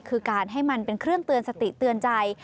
คือการให้มันเป็นเครื่องเตือนสติเตือนใจ